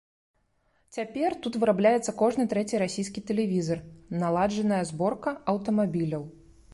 Цяпер тут вырабляецца кожны трэці расійскі тэлевізар, наладжаная зборка аўтамабіляў.